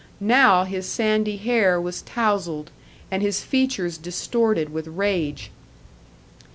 Now his sandy hair was tousled and his features distorted with rage.